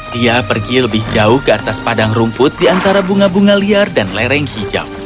dia pergi lebih jauh ke atas padang rumput di antara bunga bunga liar dan lereng hijau